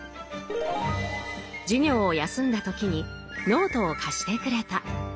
授業を休んだ時にノートを貸してくれた。